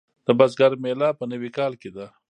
د بزګر میله په نوي کال کې ده.